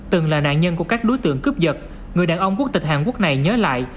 từng là nạn nhân của các đối tượng cướp giật người đàn ông quốc tịch hàn quốc này nhớ lại